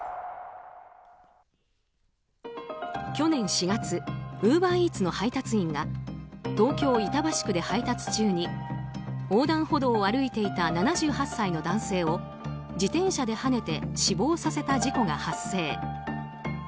去年４月ウーバーイーツの配達員が東京・板橋区で配達中に横断歩道を歩いていた７８歳の男性を自転車ではねて死亡させた事故が発生。